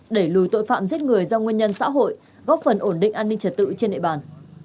đẩy lùi tội phạm giết người do nguyên nhân xã hội góp phần ổn định an ninh trật tự trên địa bàn